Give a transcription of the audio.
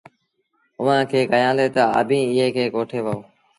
اُئآݩٚ کي ڪهيآندي تا، ”اڀيٚنٚ ايٚئي کي ڪوٺي وهو